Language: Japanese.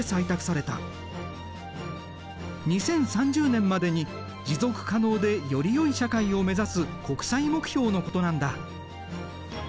２０３０年までに持続可能でより良い社会を目指す国際目標のことなんだ。